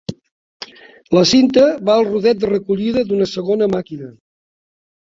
La cinta va al rodet de recollida d'una segona màquina.